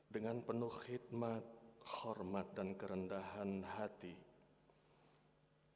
dengan penuh khidmat hormat dan kerendahan hati